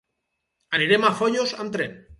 Anirem a Foios amb tren.